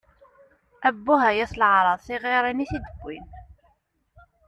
Abbuh, ay at leεṛaḍ! Tiɣiṛin i tid-wwin!